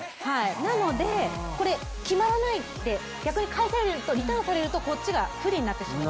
なので決まらないで逆にリターンされるとこっちが不利になってしまう。